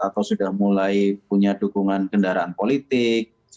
atau sudah mulai punya dukungan kendaraan politik